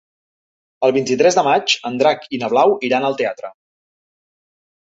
El vint-i-tres de maig en Drac i na Blau iran al teatre.